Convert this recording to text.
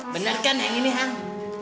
benar kan yang ini hang